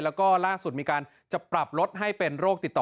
แล้วก็ล่าสุดมีการจะปรับลดให้เป็นโรคติดต่อ